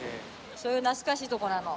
そういう懐かしいとこなの。